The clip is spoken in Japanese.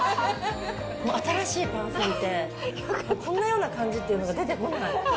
新しいパンすぎて、こんなような感じっていうのが出てこない。